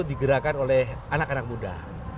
digerakkan oleh anak anak muda